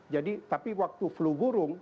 jadi tapi waktu flu burung